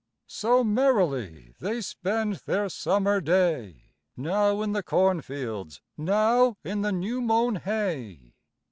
So merrily they spend their summer day, Now in the cornfields, now the new mown hay.